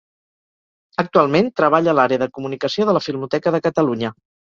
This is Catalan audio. Actualment treballa a l'àrea de comunicació de la Filmoteca de Catalunya.